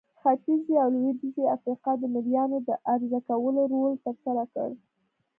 ختیځې او لوېدیځې افریقا د مریانو د عرضه کولو رول ترسره کړ.